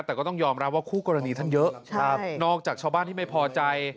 แต่ก็ต้องยอมรับว่าคู่กรณีท่านเยอะนอกจากชาวบ้านที่ไม่พอใจ